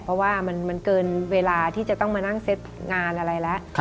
เพราะว่ามันเกินเวลาที่จะต้องมานั่งเซ็ตงานอะไรแล้ว